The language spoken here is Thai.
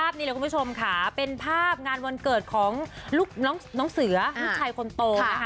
เป็นภาพภาพงานวันเกิดของน้องเสือลูกชายคนโต